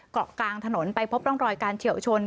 เกาะกลางถนนไปพบร่องรอยการเฉียวชน